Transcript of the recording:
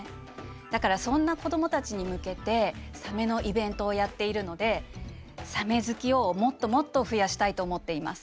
だからそんな子どもたちに向けてサメのイベントをやっているのでサメ好きをもっともっと増やしたいと思っています。